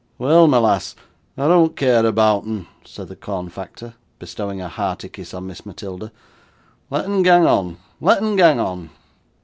'Weel, my lass, I dean't care aboot 'un,' said the corn factor, bestowing a hearty kiss on Miss Matilda; 'let 'un gang on, let 'un gang on.